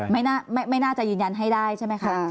ไม่น่าจะยืนยันให้ได้ใช่ไหมคะ